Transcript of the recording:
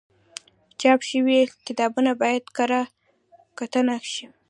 چاپ شوي کتابونه باید کره کتنه شي.